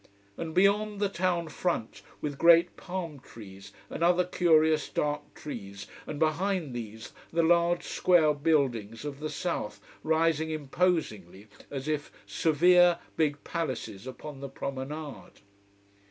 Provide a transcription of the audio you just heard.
And beyond, the town front with great palm trees and other curious dark trees, and behind these the large square buildings of the south rising imposingly, as if severe, big palaces upon the promenade.